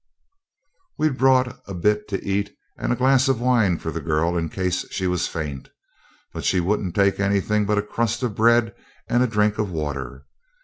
We'd brought a bit to eat and a glass of wine for the girl in case she was faint, but she wouldn't take anything but a crust of bread and a drink of water.